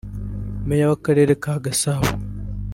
Meya w’Akarere ka Gasabo